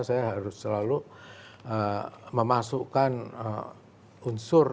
saya harus selalu memasukkan unsur